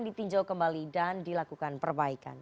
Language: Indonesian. ditinjau kembali dan dilakukan perbaikan